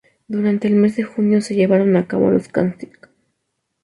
Durante el mes de junio se llevaron a cabo los casting.